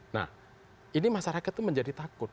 nah ini masyarakat itu menjadi takut